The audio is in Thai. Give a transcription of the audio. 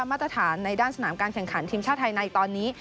มาตรฐานในด้านสนามการแข่งขันทีมชาติไทยในตอนนี้